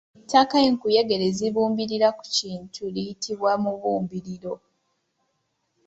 Ettaka enkuyege lye zibumbirira ku kintu liyitibwa Mubumbiriro.